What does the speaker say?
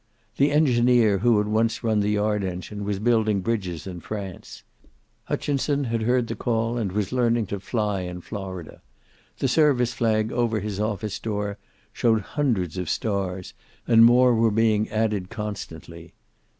The engineer who had once run the yard engine was building bridges in France. Hutchinson had heard the call, and was learning to fly in Florida, The service flag over his office door showed hundreds of stars, and more were being added constantly.